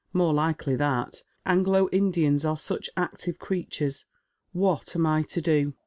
More likely that. Anglo Indians are such active creatures. What am I to do